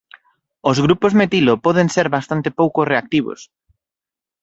Os grupos metilo poden ser bastante pouco reactivos.